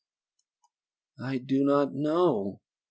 "I do not know!"